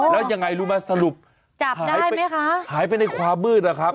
แล้วยังไงรู้ไหมสรุปหายไปในความมืดแล้วครับ